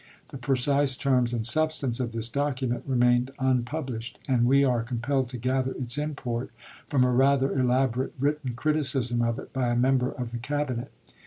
The precise terms and substance of this document remain unpublished, and we are compelled to gather its import from a rather elabo rate written criticism of it by a member of the Cabinet.